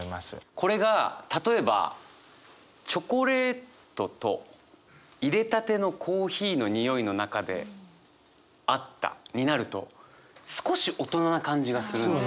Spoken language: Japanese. これが例えばチョコレートといれたてのコーヒーの匂いの中で会ったになると少し大人な感じがするんですよね。